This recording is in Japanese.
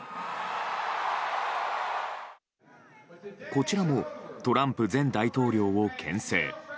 こちらもトランプ前大統領を牽制。